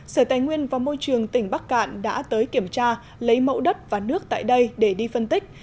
sở tài nguyên và môi trường tỉnh bắc cạn đã tới kiểm tra lấy mẫu đất và nước tại đây để đi phân tích